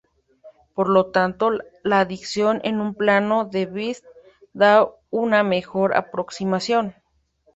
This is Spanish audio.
Por lo tanto, la adición de un plano de bits da una mejor aproximación.